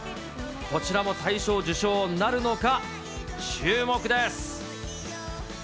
こちらも大賞受賞なるのか、注目です。